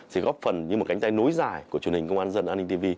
thì góp phần như một cánh tay nối dài của truyền hình công an nhân dân an ninh tv